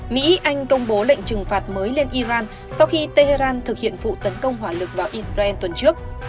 mỹ anh công bố lệnh trừng phạt mới lên iran sau khi tehran thực hiện vụ tấn công hỏa lực vào israel tuần trước